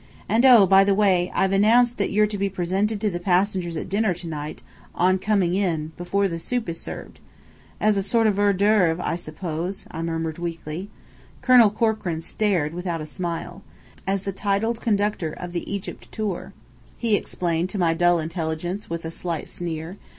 And oh, by the way, I've announced that you're to be presented to the passengers at dinner to night, on coming in, before the soup is served." "As a sort of hors d'oeuvre, I suppose," I murmured weakly. Colonel Corkran stared, without a smile. "As the titled conductor of the Egypt tour," he explained to my dull intelligence, with a slight sneer.